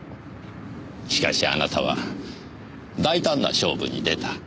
しかしあなたは大胆な勝負に出た。